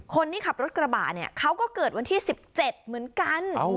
คนที่ขับรถกระบะเนี่ยเขาก็เกิดวันที่๑๗เหมือนกัน